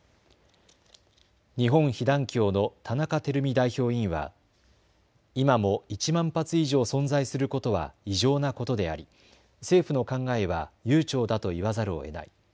日本被団協の田中煕巳代表委員は今も１万発以上存在することは異常なことであり政府の考えは悠長だと言わざるをえない。